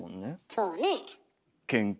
そうね。